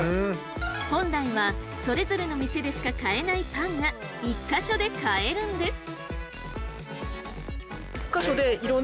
本来はそれぞれの店でしか買えないパンが１か所で買えるんです。